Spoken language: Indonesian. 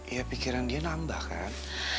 ya pikiran dia nambah kan